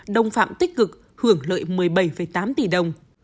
đồng phạm tích cực hưởng lợi một mươi bảy tám tỷ đồng